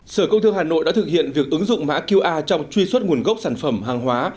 sở công thương hà nội đã thực hiện việc ứng dụng mã qr trong truy xuất nguồn gốc sản phẩm hàng hóa